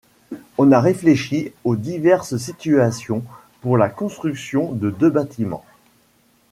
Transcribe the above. On a réfléchi aux diverses situations pour la construction des deux bâtiments.